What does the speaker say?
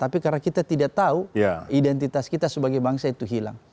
tapi karena kita tidak tahu identitas kita sebagai bangsa itu hilang